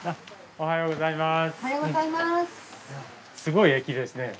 おはようございます。